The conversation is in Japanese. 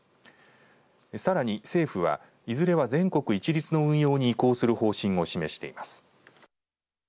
さらに政府はいずれは全国一律の運用に移行する方針を示しています。